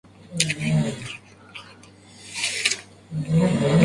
Durante las primeras ediciones fue dominado por ciclistas locales.